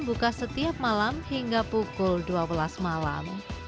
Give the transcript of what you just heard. buka setiap malam hingga pukul dua belas malam